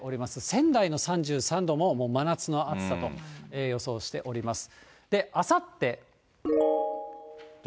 仙台の３３度ももう真夏の暑さと予想しております。